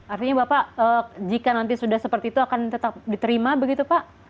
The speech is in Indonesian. artinya bapak jika nanti sudah seperti itu akan tetap diterima begitu pak